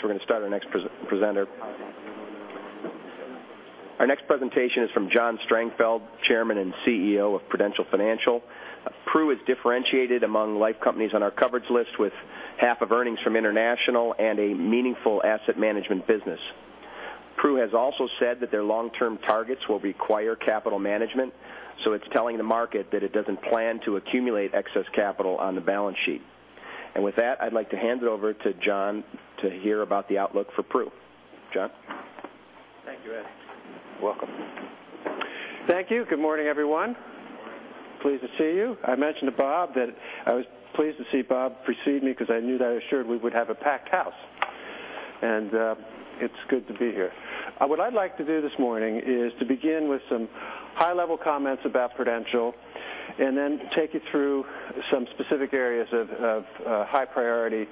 Take our seats. We're going to start our next presenter. Our next presentation is from John Strangfeld, Chairman and CEO of Prudential Financial. Pru is differentiated among life companies on our coverage list with half of earnings from international and a meaningful asset management business. Pru has also said that their long-term targets will require capital management, so it's telling the market that it doesn't plan to accumulate excess capital on the balance sheet. With that, I'd like to hand it over to John to hear about the outlook for Pru. John? Thank you, Eric. Welcome. Thank you. Good morning, everyone. Good morning. Pleased to see you. I mentioned to Bob that I was pleased to see Bob precede me because I knew that assured we would have a packed house, and it's good to be here. What I'd like to do this morning is to begin with some high-level comments about Prudential and then take you through some specific areas of high priority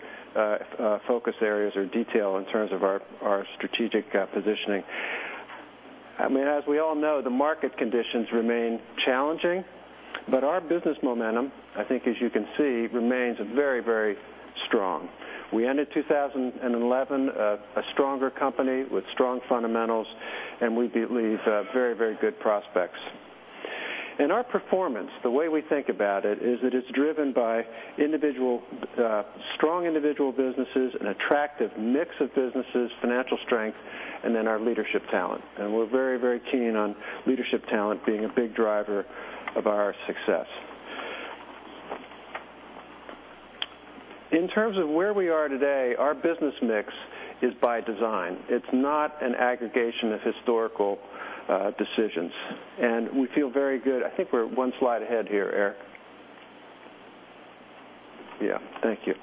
focus areas or detail in terms of our strategic positioning. As we all know, the market conditions remain challenging, but our business momentum, I think as you can see, remains very strong. We ended 2011 a stronger company with strong fundamentals, and we believe very good prospects. Our performance, the way we think about it, is that it's driven by strong individual businesses, an attractive mix of businesses, financial strength, and then our leadership talent. We're very keen on leadership talent being a big driver of our success. In terms of where we are today, our business mix is by design. It's not an aggregation of historical decisions, and we feel very good. I think we're one slide ahead here, Eric. Yeah, thank you.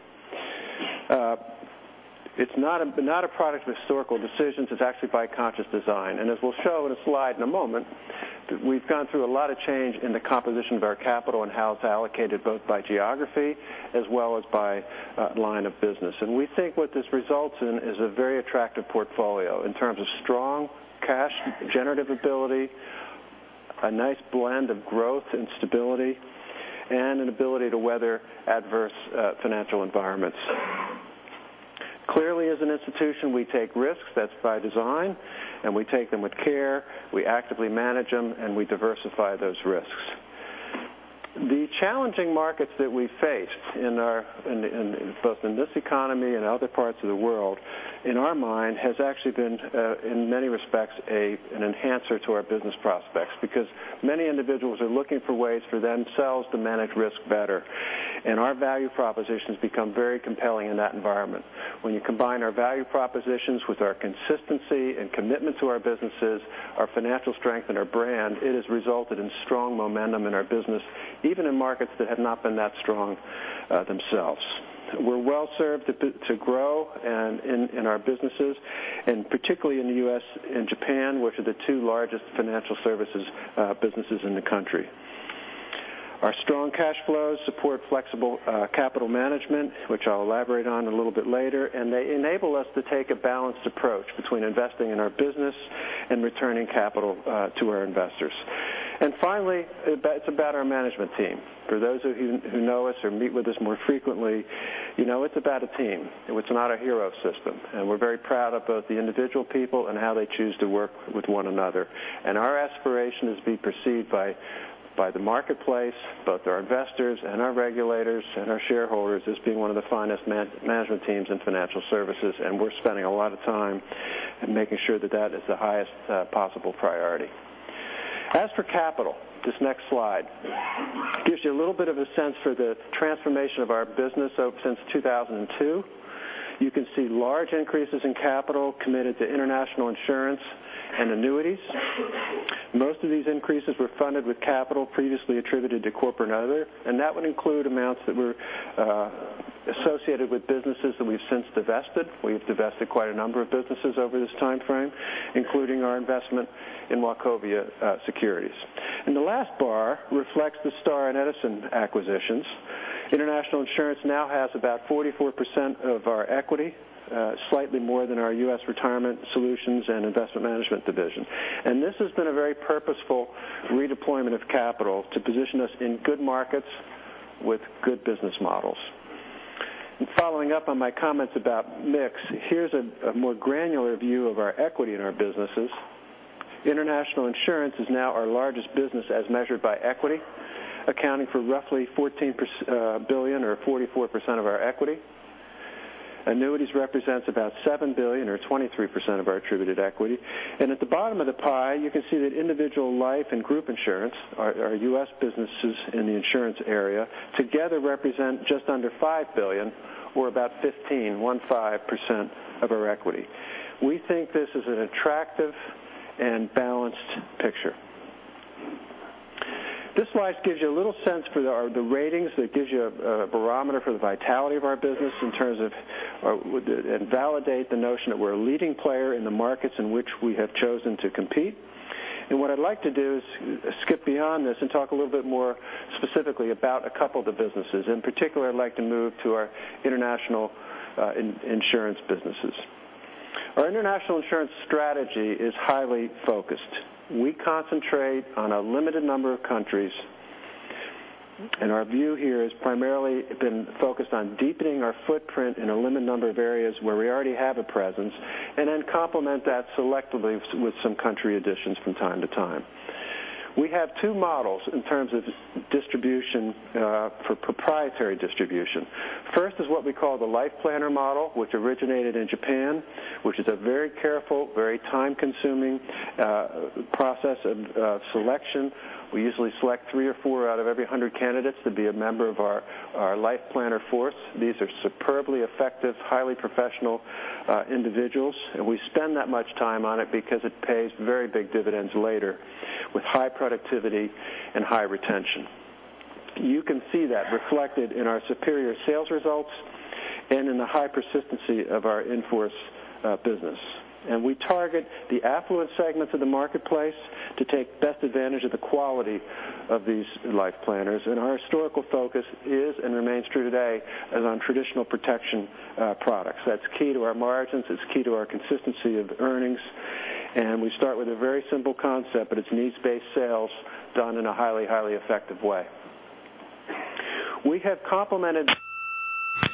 It's not a product of historical decisions. It's actually by conscious design. As we'll show in a slide in a moment, we've gone through a lot of change in the composition of our capital and how it's allocated, both by geography as well as by line of business. We think what this results in is a very attractive portfolio in terms of strong cash generative ability, a nice blend of growth and stability, and an ability to weather adverse financial environments. Clearly, as an institution, we take risks, that's by design, and we take them with care, we actively manage them, and we diversify those risks. The challenging markets that we face both in this economy and other parts of the world, in our mind, has actually been, in many respects, an enhancer to our business prospects because many individuals are looking for ways for themselves to manage risk better. Our value proposition has become very compelling in that environment. When you combine our value propositions with our consistency and commitment to our businesses, our financial strength, and our brand, it has resulted in strong momentum in our business, even in markets that have not been that strong themselves. We're well-served to grow in our businesses, and particularly in the U.S. and Japan, which are the two largest financial services businesses in the country. Our strong cash flows support flexible capital management, which I'll elaborate on a little bit later, and they enable us to take a balanced approach between investing in our business and returning capital to our investors. Finally, it's about our management team. For those of you who know us or meet with us more frequently, you know it's about a team. It's not a hero system. We're very proud of both the individual people and how they choose to work with one another. Our aspiration is to be perceived by the marketplace, both our investors and our regulators and our shareholders, as being one of the finest management teams in financial services. We're spending a lot of time in making sure that that is the highest possible priority. As for capital, this next slide gives you a little bit of a sense for the transformation of our business since 2002. You can see large increases in capital committed to International Insurance and Annuities. Most of these increases were funded with capital previously attributed to corporate and other, and that would include amounts that were associated with businesses that we've since divested. We've divested quite a number of businesses over this timeframe, including our investment in Wachovia Securities. The last bar reflects the Star and Edison acquisitions. International Insurance now has about 44% of our equity, slightly more than our U.S. Retirement Solutions and Investment Management division. This has been a very purposeful redeployment of capital to position us in good markets with good business models. Following up on my comments about mix, here's a more granular view of our equity in our businesses. International Insurance is now our largest business as measured by equity, accounting for roughly $14 billion or 44% of our equity. Annuities represents about $7 billion or 23% of our attributed equity. At the bottom of the pie, you can see that individual life and group insurance, our U.S. businesses in the insurance area, together represent just under $5 billion or about 15% of our equity. We think this is an attractive and balanced picture. This slide gives you a little sense for the ratings. It gives you a barometer for the vitality of our business and validate the notion that we're a leading player in the markets in which we have chosen to compete. What I'd like to do is skip beyond this and talk a little bit more specifically about a couple of the businesses. In particular, I'd like to move to our International Insurance businesses. Our International Insurance strategy is highly focused. We concentrate on a limited number of countries. Our view here has primarily been focused on deepening our footprint in a limited number of areas where we already have a presence, and then complement that selectively with some country additions from time to time. We have two models in terms of distribution for proprietary distribution. First is what we call the life planner model, which originated in Japan, which is a very careful, very time-consuming process of selection. We usually select three or four out of every 100 candidates to be a member of our life planner force. These are superbly effective, highly professional individuals, and we spend that much time on it because it pays very big dividends later with high productivity and high retention. You can see that reflected in our superior sales results and in the high persistency of our in-force business. We target the affluent segments of the marketplace to take best advantage of the quality of these life planners. Our historical focus is, and remains true today, is on traditional protection products. That's key to our margins, it's key to our consistency of earnings, and we start with a very simple concept, but it's needs-based sales done in a highly effective way. We have complemented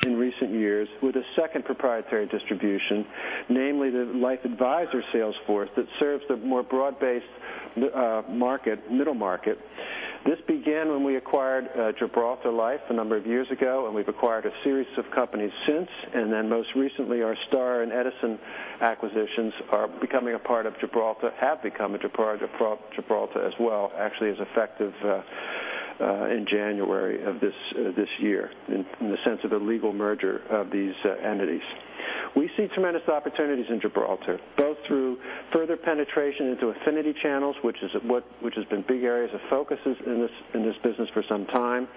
in recent years with a second proprietary distribution, namely the life advisor sales force that serves the more broad-based market, middle market. This began when we acquired Gibraltar Life a number of years ago, and we've acquired a series of companies since. Most recently, our Star and Edison acquisitions are becoming a part of Gibraltar, have become a part of Gibraltar as well, actually as effective in January of this year, in the sense of the legal merger of these entities. We see tremendous opportunities in Gibraltar, both through further penetration into affinity channels, which has been big areas of focuses in this business for some time,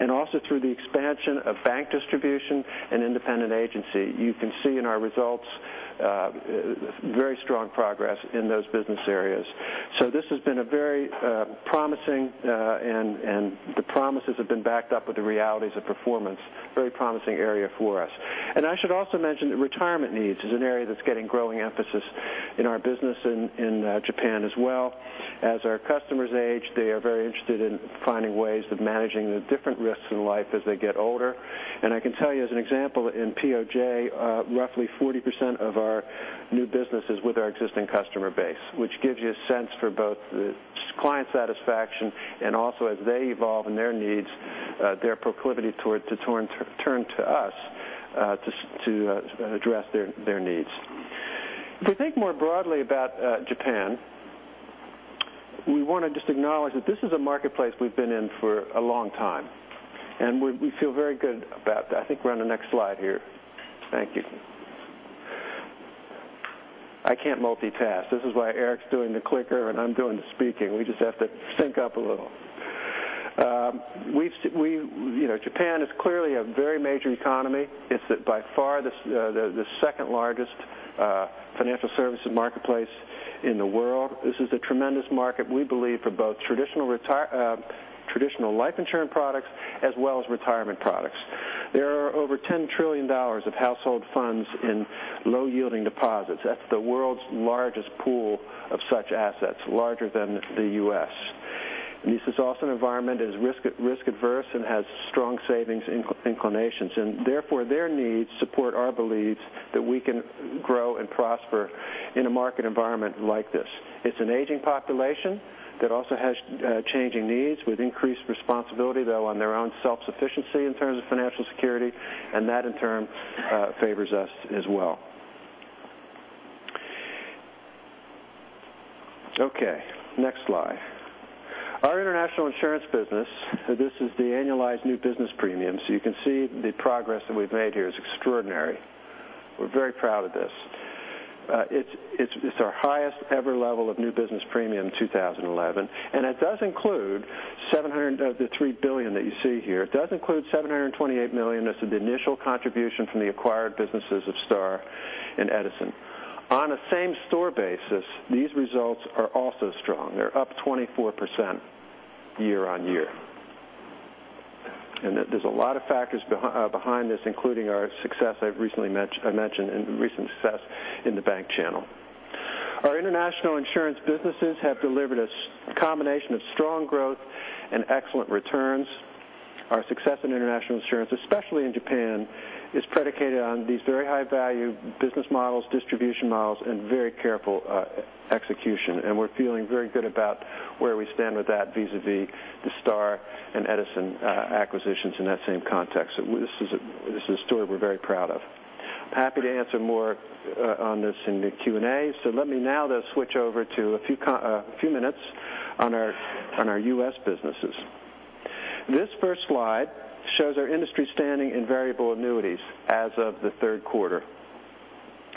and also through the expansion of bank distribution and independent agency. You can see in our results very strong progress in those business areas. This has been a very promising, and the promises have been backed up with the realities of performance, very promising area for us. I should also mention that retirement needs is an area that's getting growing emphasis in our business in Japan as well. As our customers age, they are very interested in finding ways of managing the different risks in life as they get older. I can tell you as an example, in POJ, roughly 40% of our new business is with our existing customer base, which gives you a sense for both the client satisfaction and also as they evolve in their needs, their proclivity to turn to us to address their needs. If we think more broadly about Japan, we want to just acknowledge that this is a marketplace we've been in for a long time, and we feel very good about that. I think we're on the next slide here. Thank you. I can't multitask. This is why Eric's doing the clicker and I'm doing the speaking. We just have to sync up a little. Japan is clearly a very major economy. It's by far the second-largest financial services marketplace in the world. This is a tremendous market, we believe, for both traditional life insurance products as well as retirement products. There are over $10 trillion of household funds in low-yielding deposits. That's the world's largest pool of such assets, larger than the U.S. This is also an environment that is risk-averse and has strong savings inclinations, and therefore, their needs support our beliefs that we can grow and prosper in a market environment like this. It's an aging population that also has changing needs with increased responsibility, though on their own self-sufficiency in terms of financial security, and that, in turn, favors us as well. Okay, next slide. Our international insurance business, this is the annualized new business premiums. You can see the progress that we've made here is extraordinary. We're very proud of this. It's our highest ever level of new business premium in 2011. It does include $700 of the $3 billion that you see here. It does include $728 million. This is the initial contribution from the acquired businesses of Star and Edison. On a same store basis, these results are also strong. They're up 24% year-on-year. There's a lot of factors behind this, including our success I've mentioned in recent success in the bank channel. Our international insurance businesses have delivered a combination of strong growth and excellent returns. Our success in international insurance, especially in Japan, is predicated on these very high-value business models, distribution models, and very careful execution. We're feeling very good about where we stand with that vis-a-vis the Star and Edison acquisitions in that same context. This is a story we're very proud of. I'm happy to answer more on this in the Q&A, let me now then switch over to a few minutes on our U.S. businesses. This first slide shows our industry standing in variable annuities as of the third quarter.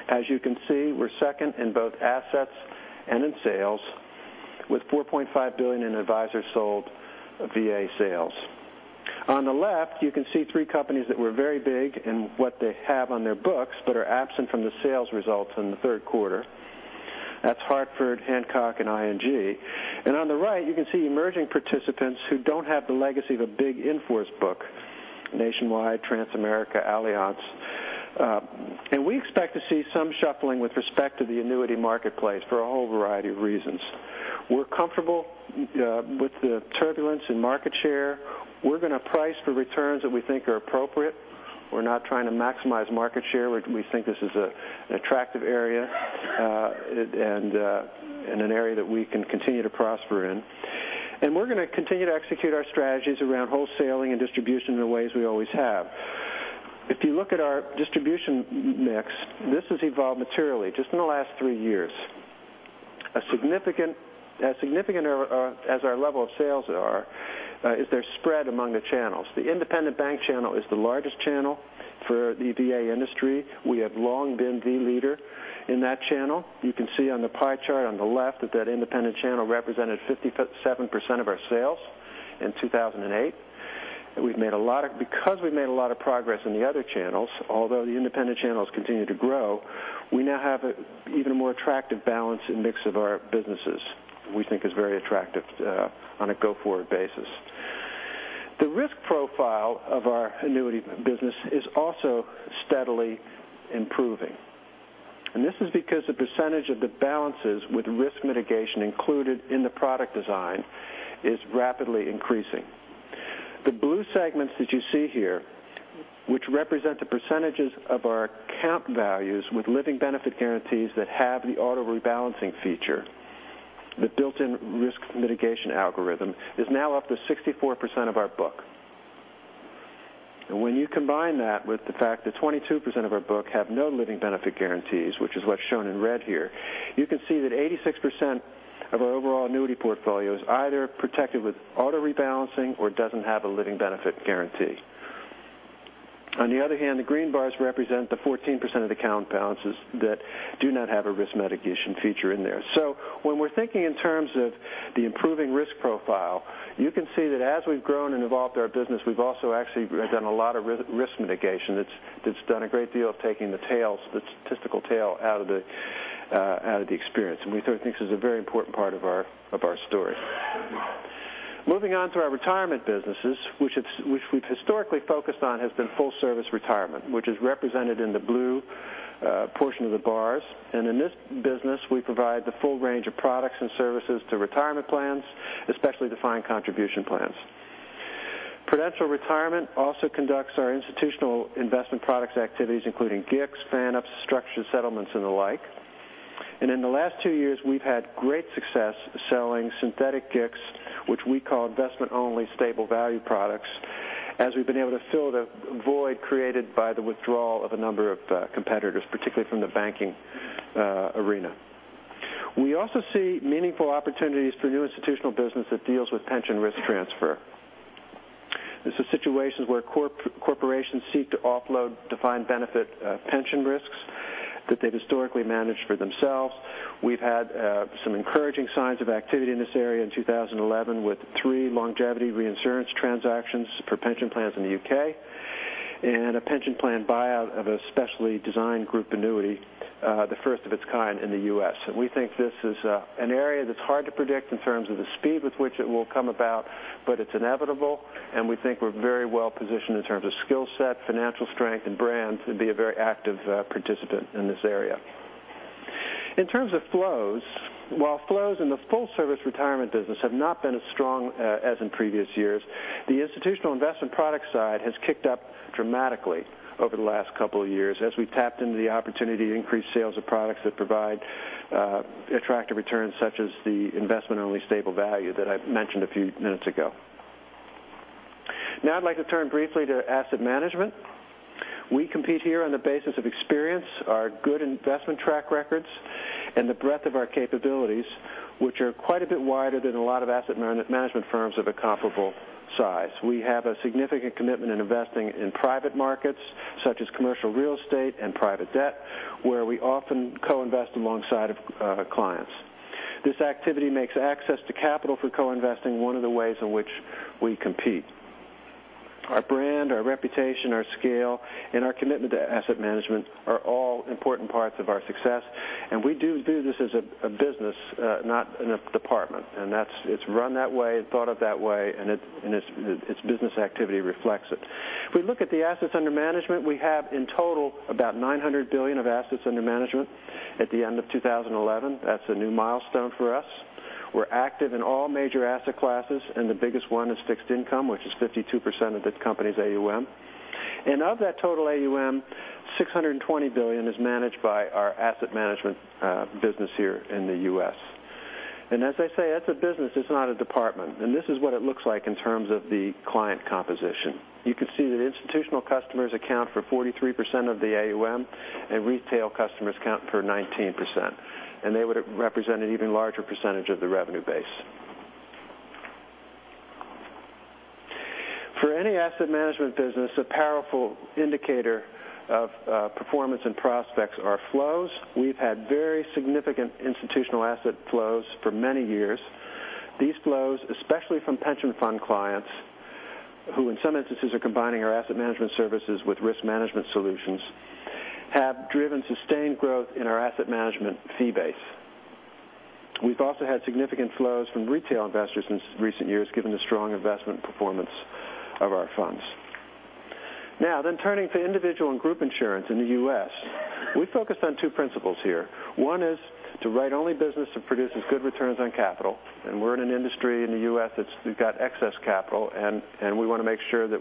As you can see, we're second in both assets and in sales, with $4.5 billion in advisor-sold VA sales. On the left, you can see three companies that were very big in what they have on their books but are absent from the sales results in the third quarter. That's Hartford, Hancock, and ING. On the right, you can see emerging participants who don't have the legacy of a big in-force book Nationwide, Transamerica, Allianz. We expect to see some shuffling with respect to the annuity marketplace for a whole variety of reasons. We're comfortable with the turbulence in market share. We're going to price for returns that we think are appropriate. We're not trying to maximize market share. We think this is an attractive area, and an area that we can continue to prosper in. We're going to continue to execute our strategies around wholesaling and distribution in the ways we always have. If you look at our distribution mix, this has evolved materially just in the last three years. As significant as our level of sales are, is their spread among the channels. The independent bank channel is the largest channel for the VA industry. We have long been the leader in that channel. You can see on the pie chart on the left that that independent channel represented 57% of our sales in 2008. Because we've made a lot of progress in the other channels, although the independent channels continue to grow, we now have an even more attractive balance and mix of our businesses we think is very attractive on a go-forward basis. The risk profile of our annuity business is also steadily improving. This is because the percentage of the balances with risk mitigation included in the product design is rapidly increasing. The blue segments that you see here, which represent the percentages of our account values with living benefit guarantees that have the auto rebalancing feature, the built-in risk mitigation algorithm, is now up to 64% of our book. When you combine that with the fact that 22% of our book have no living benefit guarantees, which is what's shown in red here, you can see that 86% of our overall annuity portfolio is either protected with auto rebalancing or doesn't have a living benefit guarantee. On the other hand, the green bars represent the 14% of the account balances that do not have a risk mitigation feature in there. When we're thinking in terms of the improving risk profile, you can see that as we've grown and evolved our business, we've also actually done a lot of risk mitigation that's done a great deal of taking the statistical tail out of the experience. We think this is a very important part of our story. Moving on to our retirement businesses, which we've historically focused on, has been full service retirement, which is represented in the blue portion of the bars. In this business, we provide the full range of products and services to retirement plans, especially defined contribution plans. Prudential Retirement also conducts our institutional investment products activities, including GICs, funding agreements, structured settlements, and the like. In the last two years, we've had great success selling synthetic GICs, which we call investment-only stable value products, as we've been able to fill the void created by the withdrawal of a number of competitors, particularly from the banking arena. We also see meaningful opportunities for new institutional business that deals with pension risk transfer. This is situations where corporations seek to offload defined benefit pension risks that they've historically managed for themselves. We've had some encouraging signs of activity in this area in 2011 with three longevity reinsurance transactions for pension plans in the U.K., and a pension plan buyout of a specially designed group annuity, the first of its kind in the U.S. We think this is an area that's hard to predict in terms of the speed with which it will come about, but it's inevitable, and we think we're very well positioned in terms of skill set, financial strength, and brand to be a very active participant in this area. In terms of flows, while flows in the full service retirement business have not been as strong as in previous years, the institutional investment product side has kicked up dramatically over the last couple of years as we tapped into the opportunity to increase sales of products that provide attractive returns, such as the investment-only stable value that I mentioned a few minutes ago. Now I'd like to turn briefly to asset management. We compete here on the basis of experience, our good investment track records, and the breadth of our capabilities, which are quite a bit wider than a lot of asset management firms of a comparable size. We have a significant commitment in investing in private markets, such as commercial real estate and private debt, where we often co-invest alongside of clients. This activity makes access to capital for co-investing one of the ways in which we compete. Our brand, our reputation, our scale, and our commitment to asset management are all important parts of our success, we do view this as a business, not a department. It's run that way, thought of that way, and its business activity reflects it. If we look at the assets under management, we have in total about $900 billion of assets under management at the end of 2011. That's a new milestone for us. We're active in all major asset classes, the biggest one is fixed income, which is 52% of this company's AUM. Of that total AUM, $620 billion is managed by our asset management business here in the U.S. As I say, that's a business, it's not a department. This is what it looks like in terms of the client composition. You can see that institutional customers account for 43% of the AUM, and retail customers account for 19%, and they would represent an even larger percentage of the revenue base. For any asset management business, a powerful indicator of performance and prospects are flows. We've had very significant institutional asset flows for many years. These flows, especially from pension fund clients, who in some instances are combining our asset management services with risk management solutions, have driven sustained growth in our asset management fee base. We've also had significant flows from retail investors in recent years, given the strong investment performance of our funds. Turning to individual and group insurance in the U.S., we focused on two principles here. One is to write only business that produces good returns on capital, and we're in an industry in the U.S. that's got excess capital, and we want to make sure that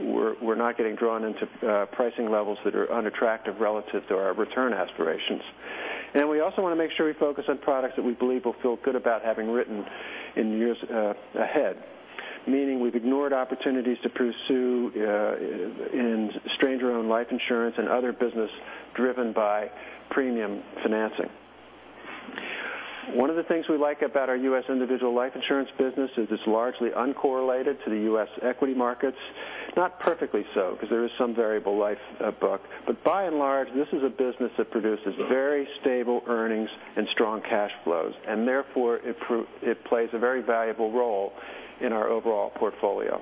we're not getting drawn into pricing levels that are unattractive relative to our return aspirations. We also want to make sure we focus on products that we believe we'll feel good about having written in the years ahead, meaning we've ignored opportunities to pursue in stranger-originated life insurance and other business driven by premium financing. One of the things we like about our U.S. individual life insurance business is it's largely uncorrelated to the U.S. equity markets. Not perfectly so, because there is some Variable Life book. By and large, this is a business that produces very stable earnings and strong cash flows, and therefore it plays a very valuable role in our overall portfolio.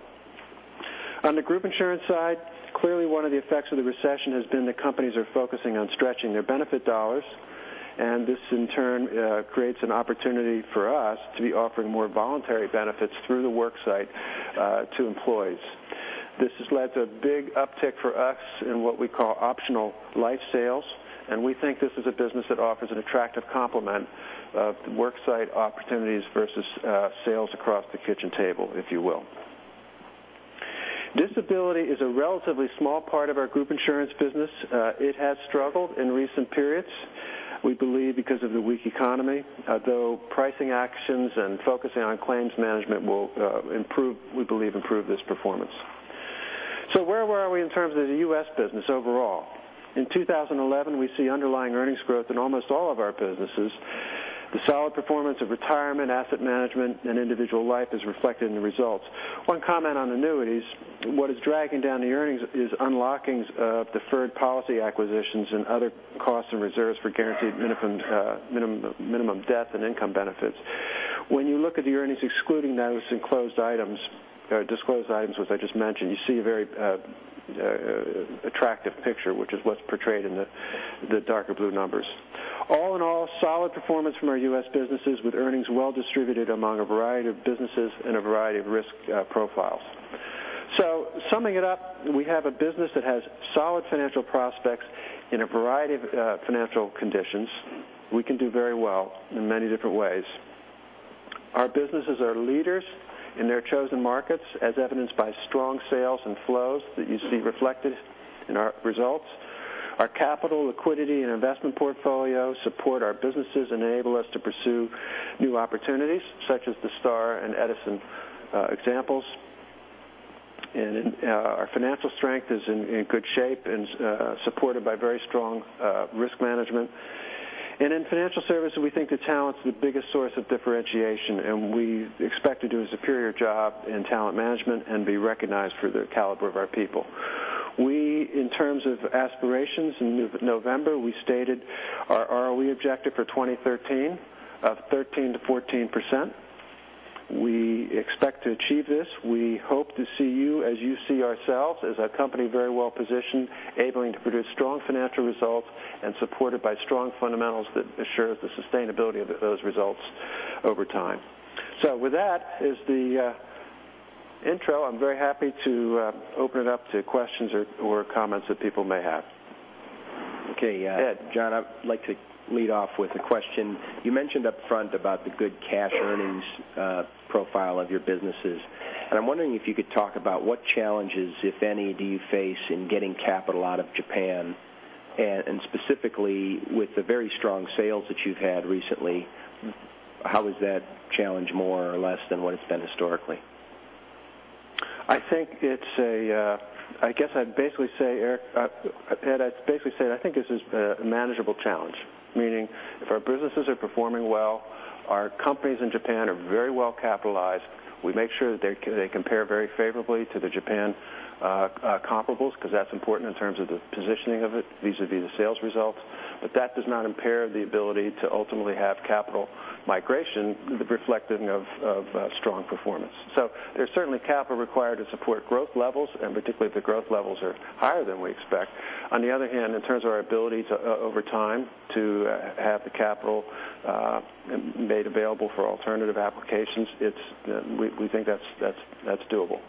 On the group insurance side, clearly one of the effects of the recession has been that companies are focusing on stretching their benefit dollars, and this in turn, creates an opportunity for us to be offering more voluntary benefits through the work site to employees. This has led to a big uptick for us in what we call Optional Life sales, and we think this is a business that offers an attractive complement of work site opportunities versus sales across the kitchen table, if you will. Disability is a relatively small part of our group insurance business. It has struggled in recent periods, we believe because of the weak economy, although pricing actions and focusing on claims management will, we believe, improve this performance. Where are we in terms of the U.S. business overall? In 2011, we see underlying earnings growth in almost all of our businesses. The solid performance of retirement, asset management, and individual life is reflected in the results. One comment on annuities, what is dragging down the earnings is unlockings of deferred policy acquisitions and other costs and reserves for guaranteed minimum death and income benefits. When you look at the earnings excluding those disclosed items, as I just mentioned, you see a very attractive picture, which is what's portrayed in the darker blue numbers. All in all, solid performance from our U.S. businesses with earnings well distributed among a variety of businesses and a variety of risk profiles. Summing it up, we have a business that has solid financial prospects in a variety of financial conditions. We can do very well in many different ways. Our businesses are leaders in their chosen markets, as evidenced by strong sales and flows that you see reflected in our results. Our capital, liquidity, and investment portfolio support our businesses enable us to pursue new opportunities, such as the Star and Edison examples. Our financial strength is in good shape and supported by very strong risk management. In financial services, we think the talent's the biggest source of differentiation, and we expect to do a superior job in talent management and be recognized for the caliber of our people. We, in terms of aspirations in November, we stated our ROE objective for 2013 of 13%-14%. We expect to achieve this. We hope to see you as you see ourselves, as a company very well positioned, able to produce strong financial results and supported by strong fundamentals that assures the sustainability of those results over time. With that as the intro, I'm very happy to open it up to questions or comments that people may have. Okay. Ed. John, I'd like to lead off with a question. You mentioned up front about the good cash earnings profile of your businesses, and I'm wondering if you could talk about what challenges, if any, do you face in getting capital out of Japan, and specifically with the very strong sales that you've had recently, how is that challenge more or less than what it's been historically? I'd basically say, I think this is a manageable challenge, meaning if our businesses are performing well, our companies in Japan are very well capitalized. We make sure that they compare very favorably to the Japan comparables, because that's important in terms of the positioning of it. These would be the sales results. That does not impair the ability to ultimately have capital migration, the reflecting of strong performance. There's certainly capital required to support growth levels, and particularly if the growth levels are higher than we expect. On the other hand, in terms of our ability over time to have the capital made available for alternative applications, we think that's doable.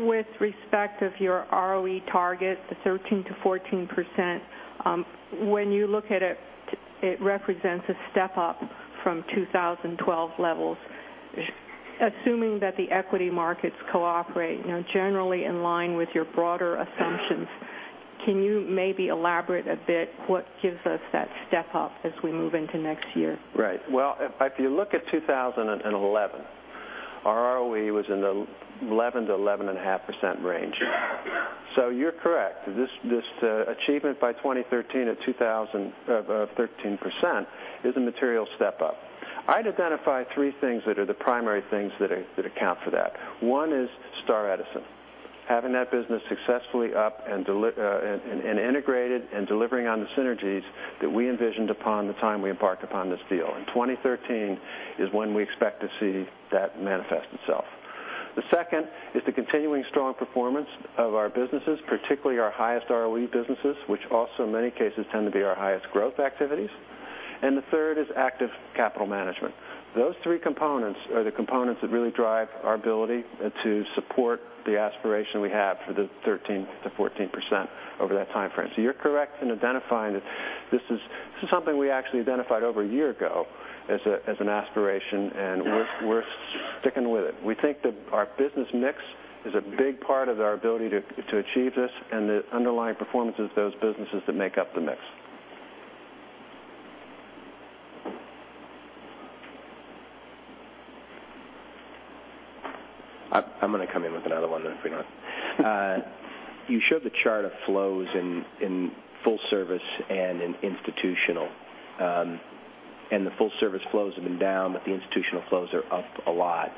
With respect of your ROE target, the 13%-14%, when you look at it represents a step up from 2012 levels. Assuming that the equity markets cooperate, generally in line with your broader assumptions, can you maybe elaborate a bit what gives us that step up as we move into next year? Well, if you look at 2011, our ROE was in the 11%-11.5% range. You're correct. This achievement by 2013 of 13% is a material step up. I'd identify three things that are the primary things that account for that. One is Star Edison. Having that business successfully up and integrated and delivering on the synergies that we envisioned upon the time we embarked upon this deal. In 2013 is when we expect to see that manifest itself. The second is the continuing strong performance of our businesses, particularly our highest ROE businesses, which also in many cases tend to be our highest growth activities. The third is active capital management. Those three components are the components that really drive our ability to support the aspiration we have for the 13%-14% over that timeframe. You're correct in identifying that this is something we actually identified over a year ago as an aspiration. We're sticking with it. We think that our business mix is a big part of our ability to achieve this. The underlying performances of those businesses that make up the mix. I'm going to come in with another one then if you don't. You showed the chart of flows in full service and in institutional. The full service flows have been down, but the institutional flows are up a lot.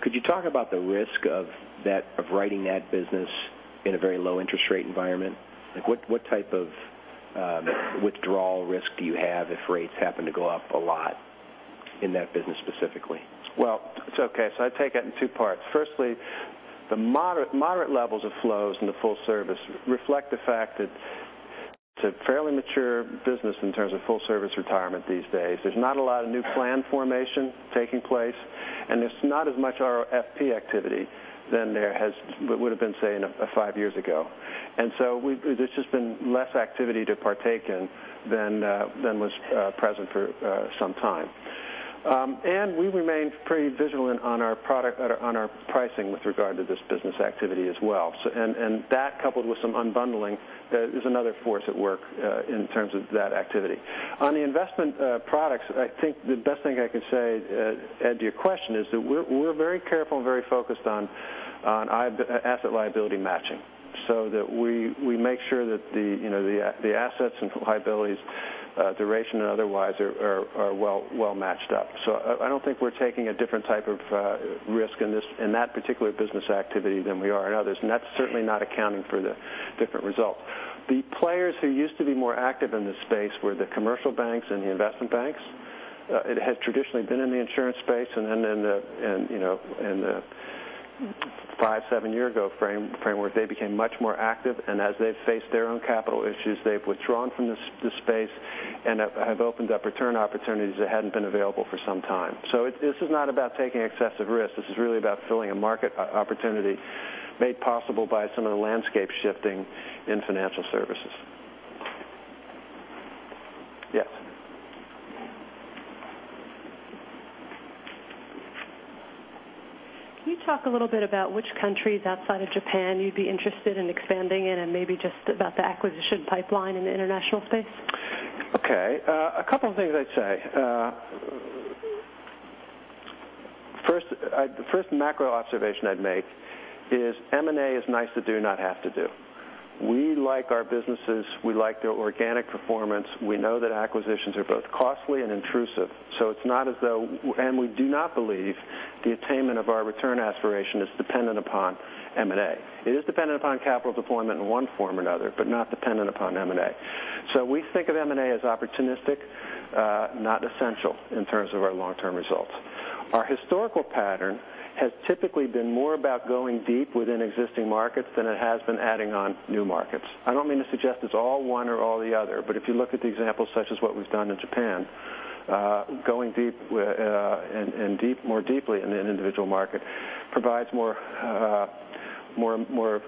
Could you talk about the risk of writing that business in a very low interest rate environment? What type of withdrawal risk do you have if rates happen to go up a lot in that business specifically? It's okay. I'd take that in two parts. Firstly, the moderate levels of flows in the full service reflect the fact that it's a fairly mature business in terms of full service retirement these days. There's not a lot of new plan formation taking place, and there's not as much RFP activity than there would've been, say, five years ago. There's just been less activity to partake in than was present for some time. We remain pretty vigilant on our pricing with regard to this business activity as well. That coupled with some unbundling, is another force at work in terms of that activity. On the investment products, I think the best thing I can say, to your question is that we're very careful and very focused on asset liability matching, that we make sure that the assets and liabilities, duration and otherwise, are well matched up. I don't think we're taking a different type of risk in that particular business activity than we are in others, and that's certainly not accounting for the different result. The players who used to be more active in this space were the commercial banks and the investment banks. It had traditionally been in the insurance space, and then five, seven years ago framework, they became much more active. As they've faced their own capital issues, they've withdrawn from the space and have opened up return opportunities that hadn't been available for some time. This is not about taking excessive risk. This is really about filling a market opportunity made possible by some of the landscape shifting in financial services. Yes. Can you talk a little bit about which countries outside of Japan you'd be interested in expanding in and maybe just about the acquisition pipeline in the international space? Okay. A couple of things I'd say. The first macro observation I'd make is M&A is nice to do, not have to do. We like our businesses. We like their organic performance. We know that acquisitions are both costly and intrusive. We do not believe the attainment of our return aspiration is dependent upon M&A. It is dependent upon capital deployment in one form or another, but not dependent upon M&A. We think of M&A as opportunistic, not essential in terms of our long-term results. Our historical pattern has typically been more about going deep within existing markets than it has been adding on new markets. I don't mean to suggest it's all one or all the other, but if you look at the examples such as what we've done in Japan, going more deeply in an individual market provides more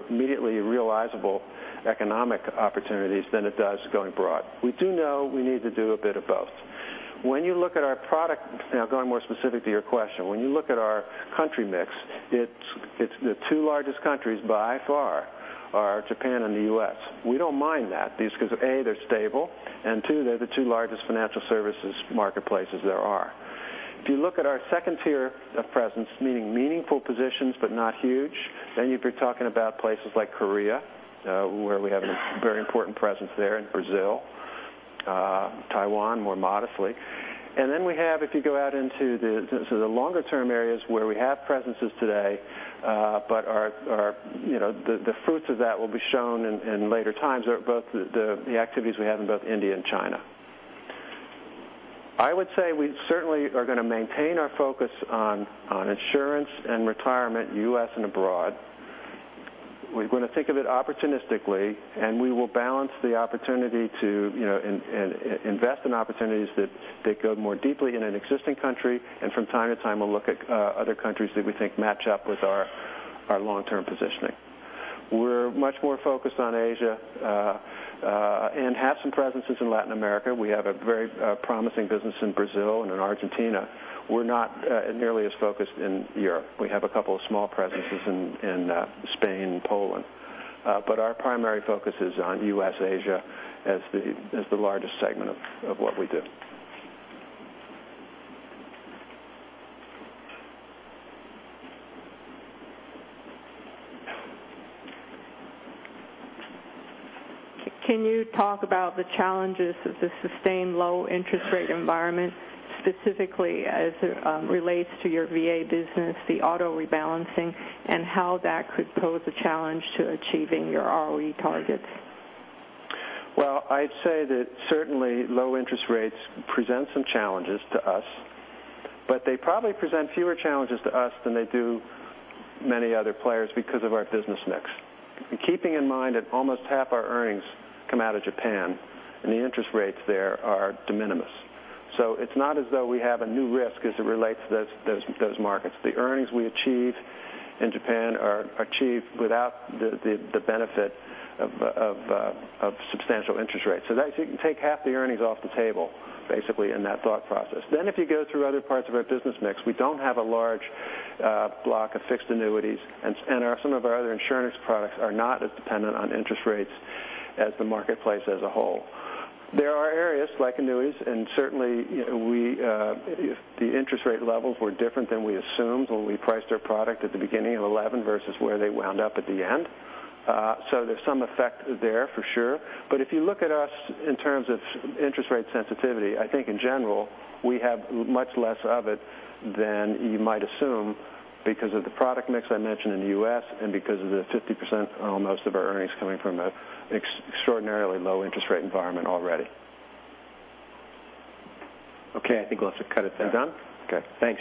immediately realizable economic opportunities than it does going broad. We do know we need to do a bit of both. Going more specific to your question, when you look at our country mix, the two largest countries by far are Japan and the U.S. We don't mind that because, A, they're stable, and two, they're the two largest financial services marketplaces there are. If you look at our second tier of presence, meaning meaningful positions but not huge, you'd be talking about places like Korea, where we have a very important presence there, in Brazil, Taiwan, more modestly. We have, if you go out into the longer term areas where we have presences today, but the fruits of that will be shown in later times are both the activities we have in both India and China. I would say we certainly are going to maintain our focus on insurance and retirement, U.S. and abroad. We're going to think of it opportunistically, and we will balance the opportunity to invest in opportunities that go more deeply in an existing country. From time to time, we'll look at other countries that we think match up with our long-term positioning. We're much more focused on Asia, and have some presences in Latin America. We have a very promising business in Brazil and in Argentina. We're not nearly as focused in Europe. We have a couple of small presences in Spain and Poland. Our primary focus is on U.S., Asia as the largest segment of what we do. Can you talk about the challenges of the sustained low interest rate environment, specifically as it relates to your VA business, the auto rebalancing, and how that could pose a challenge to achieving your ROE targets? Well, I'd say that certainly low interest rates present some challenges to us, they probably present fewer challenges to us than they do many other players because of our business mix. Keeping in mind that almost half our earnings come out of Japan and the interest rates there are de minimis. It's not as though we have a new risk as it relates to those markets. The earnings we achieve in Japan are achieved without the benefit of substantial interest rates. You can take half the earnings off the table, basically, in that thought process. If you go through other parts of our business mix, we don't have a large block of Fixed Annuities, and some of our other insurance products are not as dependent on interest rates as the marketplace as a whole. There are areas like annuities and certainly if the interest rate levels were different than we assumed when we priced our product at the beginning of 2011 versus where they wound up at the end. There's some effect there for sure. If you look at us in terms of interest rate sensitivity, I think in general, we have much less of it than you might assume because of the product mix I mentioned in the U.S. and because of the 50% almost of our earnings coming from an extraordinarily low interest rate environment already. Okay, I think we'll have to cut it there. I'm done? Okay.